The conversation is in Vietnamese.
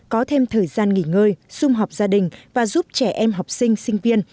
có thêm thời gian nghỉ ngơi xung họp gia đình và giúp trẻ em học sinh sinh viên